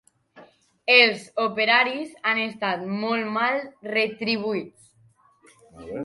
Els operaris han estat molt mal retribuïts.